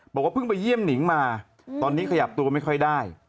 บอกว่าเพิ่งไปเยี่ยมหนิงมาตอนนี้ขยับตัวไม่ค่อยได้